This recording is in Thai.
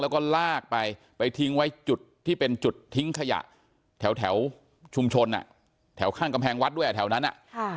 แล้วก็ลากไปไปทิ้งไว้จุดที่เป็นจุดทิ้งขยะแถวชุมชนอ่ะแถวข้างกำแพงวัดด้วยแถวนั้นอ่ะค่ะ